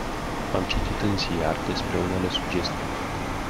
Am citit în ziar despre unele sugestii.